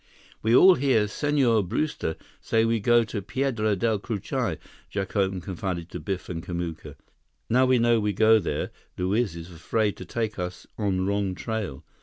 "We all hear Senhor Brewster say we go to Piedra Del Cucuy," Jacome confided to Biff and Kamuka. "Now we know we go there, Luiz is afraid to take us on wrong trail.